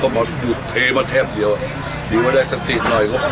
ก็มาหยุดเทมาแทบเดียวดีว่าได้สักติดหน่อยก็พัก